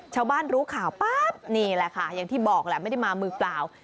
ชาวบ้านรู้ข่าวปั๊บนี่แหละค่ะอย่างที่บอกแหละไม่ได้มามือเปล่า